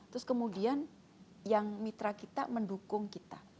terus kemudian yang mitra kita mendukung kita